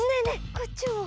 こっちも！